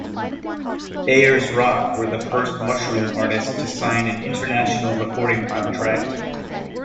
Ayers Rock were the first Mushroom artist to sign an international recording contract.